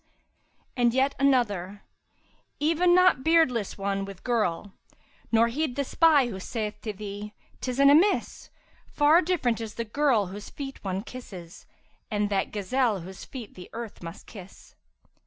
'[FN#341] And yet another, 'Even not beardless one with girl, nor heed * The spy who saith to thee ''Tis an amiss!' Far different is the girl whose feet one kisses * And that gazelle whose feet the earth must kiss.'